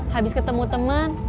habis ketemu temen